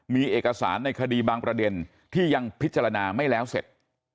มีเอกสารในคดีบางประเด็นที่ยังพิจารณาไม่แล้วเสร็จ